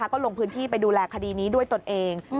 ก็ลงพื้นที่ไปดูแลคดีนี้ด้วยตนเอง